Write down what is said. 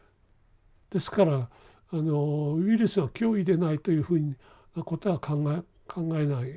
ですからあのウイルスは脅威でないというふうなことは考えない。